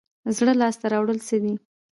زړه لاس ته راوړل څه دي؟